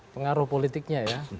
pengaruh politiknya ya